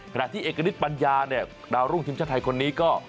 ขณะที่เอกณิตปัญญาเนี่ยดาวรุ่งทีมชาติไทยคนนี้ก็